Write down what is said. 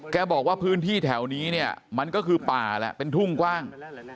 บอกว่าพื้นที่แถวนี้เนี่ยมันก็คือป่าแหละเป็นทุ่งกว้าง